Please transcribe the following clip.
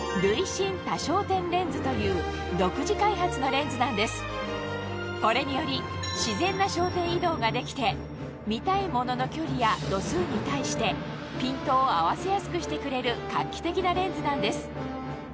レンズの中心から外側に向かってこれにより自然な焦点移動ができて見たいものの距離や度数に対してピントを合わせやすくしてくれる画期的なレンズなんです